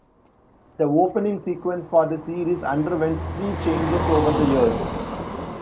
The opening sequence for the series underwent three changes over the years.